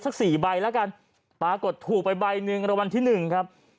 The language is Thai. ซึ่งซึ่งซัก๔ใบปากกดถูกไปใบ๑รวรณที่๑ครับ